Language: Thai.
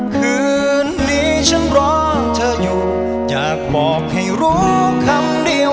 คืนนี้ฉันร้องเธออยู่อยากบอกให้รู้คำเดียว